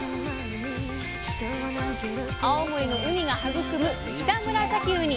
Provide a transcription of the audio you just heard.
青森の海が育むキタムラサキウニ。